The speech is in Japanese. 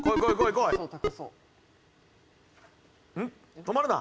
止まるな。